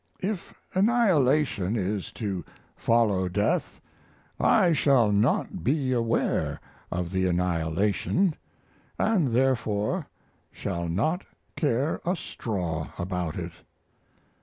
If annihilation is to follow death I shall not be aware of the annihilation, and therefore shall not care a straw about it.